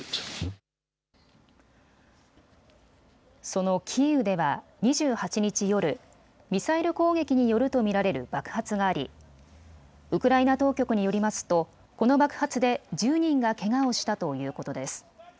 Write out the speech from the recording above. そのキーウでは２８日夜、ミサイル攻撃によると見られる爆発がありウクライナ当局によりますとこの爆発で１０人がけがをしたということです。